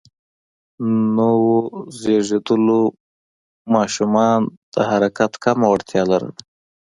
نوو زېږیدليو ماشومان د حرکت کمه وړتیا لرله.